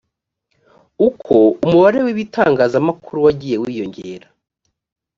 uko umubare w’ibitangazamakuru wagiye wiyongera